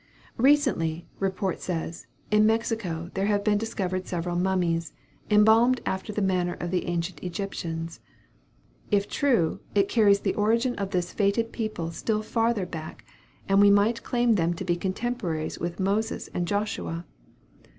Recently, report says, in Mexico there have been discovered several mummies, embalmed after the manner of the ancient Egyptians. If true, it carries the origin of this fated people still farther back; and we might claim them to be contemporaries with Moses and Joshua.